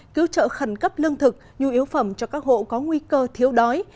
cứu trợ khẩn cấp lương thực nhu yếu phẩm cho các hộ có nguy cơ thiếu đói